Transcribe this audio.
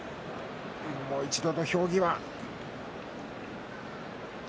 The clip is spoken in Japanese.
もう一度、土俵際。